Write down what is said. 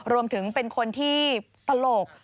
รวมถึงเป็นคนที่ตลก